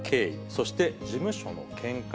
そして事務所の見解。